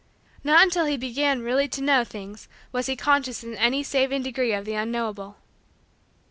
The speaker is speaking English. Not until he began really to know things was he conscious in any saving degree of the unknowable.